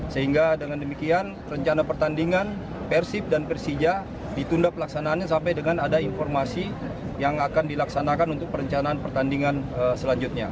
sehingga dengan demikian rencana pertandingan persib dan persija ditunda pelaksanaannya sampai dengan ada informasi yang akan dilaksanakan untuk perencanaan pertandingan selanjutnya